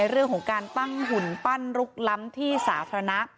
เรื่องของการตั้งหุ่นปั้นลุกล้ำที่สาธารณะ